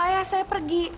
ayah saya pergi